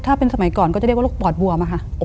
ถ้าเป็นสมัยก่อนก็จะเรียกว่าโรคปอดบวมอะค่ะ